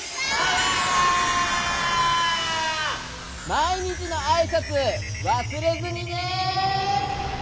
まいにちのあいさつわすれずにね！